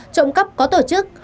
trộm cắp có tổ chức